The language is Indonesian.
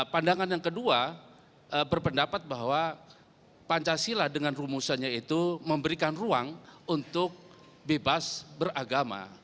pandangan yang kedua berpendapat bahwa pancasila dengan rumusannya itu memberikan ruang untuk bebas beragama